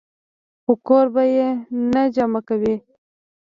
خو کور به ئې نۀ جمع کوئ -